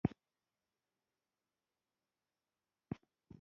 چي دا د اسلامي دولت مهمي وظيفي دي